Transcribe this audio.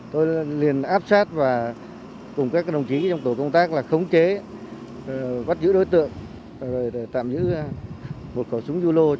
tôi liền áp sát và cùng các đồng chí trong tổ công tác là khống chế bắt giữ đối tượng để tạm giữ một khẩu súng yu lô